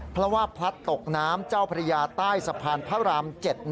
เพราะว่าพลัดตกน้ำเจ้าพระยาใต้สะพานพระราม๗